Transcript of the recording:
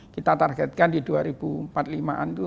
kita targetkan di dua ribu empat puluh lima an itu